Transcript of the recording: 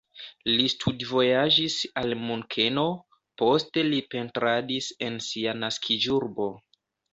Li studvojaĝis al Munkeno, poste li pentradis en sia naskiĝurbo.